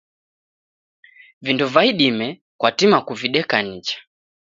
Vindo va idime kwatima kuvideka nicha